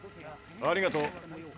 ありがとう。